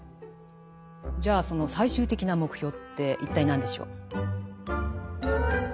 じゃあその最終的な目標って一体何でしょう？